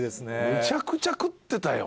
むちゃくちゃ食ってたよ。